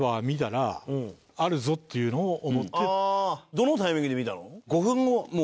どのタイミングで見たの？